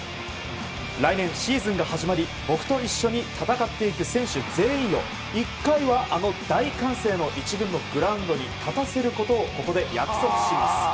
来年、シーズンが始まり僕と一緒に戦っていく選手全員を１回はあの大歓声の１軍のグラウンドに立たせることをここで約束します。